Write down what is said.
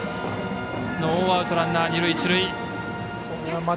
ノーアウトランナー、一塁二塁。